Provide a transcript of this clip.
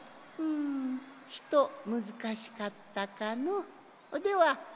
んちとむずかしかったかの？